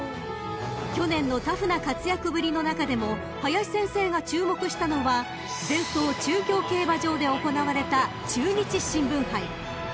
［去年のタフな活躍ぶりの中でも林先生が注目したのは前走中京競馬場で行われた中日新聞杯］